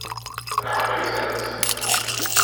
Neḥemmel-itent.